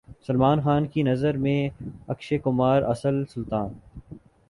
سلمان خان کی نظر میں اکشے کمار اصل سلطان